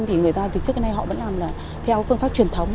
thì người ta từ trước đến nay họ vẫn làm là theo phương pháp truyền thống